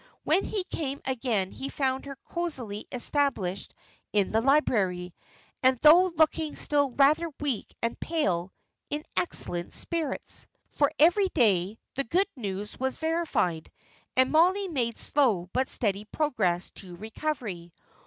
When he came again he found her cosily established in the library, and, though looking still rather weak and pale, in excellent spirits. For every day the good news was verified, and Mollie made slow but steady progress to recovery.